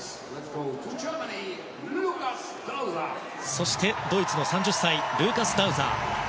そして、ドイツの３０歳ルーカス・ダウザー。